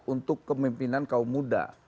untuk kepimpinan kaum muda